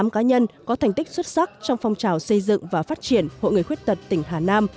tám mươi cá nhân có thành tích xuất sắc trong phong trào xây dựng và phát triển hội người khuyết tật tỉnh hà nam